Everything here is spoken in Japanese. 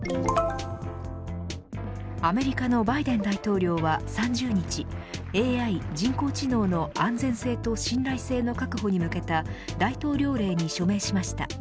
アメリカのバイデン大統領は３０日ＡＩ＝人工知能の安全性と信頼性の確保に向けた大統領令に署名しました。